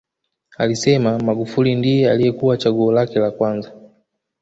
Alisema Magufuli ndiye aliyekuwa chaguo lake la kwanza